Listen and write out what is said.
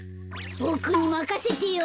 ボクにまかせてよ。